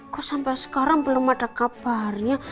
kok sampai sekarang belum ada kabarnya